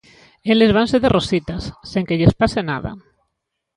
E eles vanse de rositas, sen que lles pase nada.